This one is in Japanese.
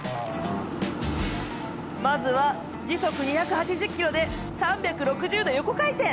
まずは時速２８０キロで３６０度横回転！